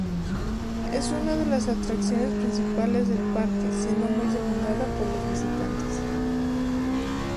Es una de las atracciones principales del parque, siendo muy demandada por los visitantes.